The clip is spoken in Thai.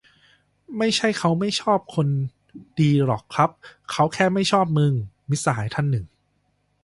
"ไม่ใช่เค้าไม่ชอบคนดีหรอกครับ เค้าแค่ไม่ชอบมึง" - มิตรสหายท่านหนึ่ง"